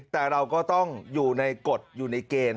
แต่เราก็ต้องอยู่ในกฎอยู่ในเกณฑ์